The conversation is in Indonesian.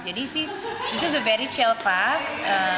jadi sih ini adalah kelas yang sangat tenang